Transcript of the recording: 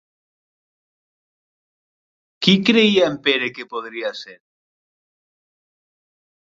Qui creia en Pere que podria ser?